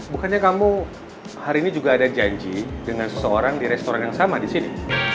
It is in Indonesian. bukannya kamu hari ini juga ada janji dengan seseorang di restoran yang sama di sini